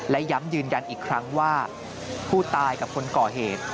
และย้ำยืนยันอีกครั้งว่าผู้ตายกับคนก่อเหตุ